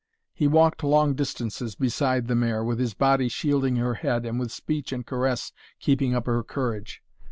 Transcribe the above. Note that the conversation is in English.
He walked long distances beside the mare, with his body shielding her head and with speech and caress keeping up her courage.